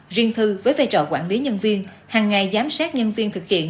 riêng thư với vai trò quản lý nhân viên hàng ngày giám sát nhân viên thực hiện